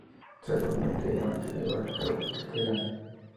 Se rodó íntegramente en Bangkok, Tailandia.